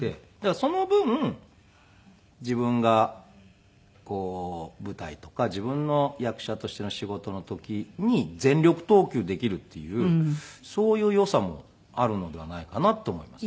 その分自分がこう舞台とか自分の役者としての仕事の時に全力投球できるっていうそういう良さもあるのではないかなと思いますね。